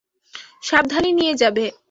সাবধানে নিয়ে যাবে।